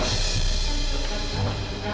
adik tengah mendarin